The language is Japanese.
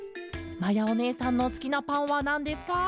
まやおねえさんのすきなパンはなんですか？」。